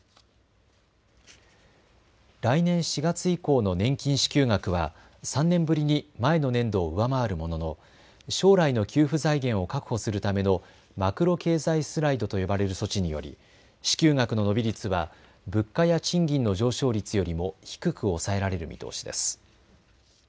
来年４月以降の年金支給額は３年ぶりに前の年度を上回るものの、将来の給付財源を確保するためのマクロ経済スライドと呼ばれる措置により支給額の伸び率は物価や賃金の上昇率よりも低く抑えられる見通しです。